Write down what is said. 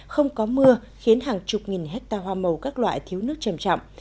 không có mưa khiến hàng chục nghìn hectare hoa màu các loại thiếu nước trầm trọng